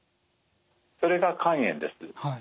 それが肝炎です。